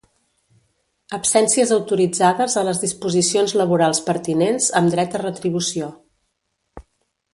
Absències autoritzades a les disposicions laborals pertinents amb dret a retribució.